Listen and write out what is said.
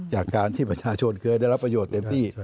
จากการที่ประชาชนเคยได้รับประโยชน์เต็มที่